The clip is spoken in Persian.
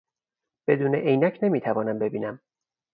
بدون عینک نمیتوانم ببینم.